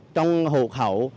trong hộ khẩu